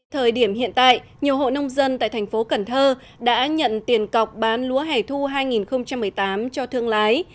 thời điểm hiện tại nhiều hộ nông dân tại thành phố cần thơ đã nhận tiền cọc bán lúa hẻ thu hai nghìn một mươi tám cho thương lái